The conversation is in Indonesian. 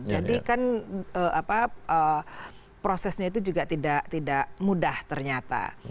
jadi kan prosesnya itu juga tidak mudah ternyata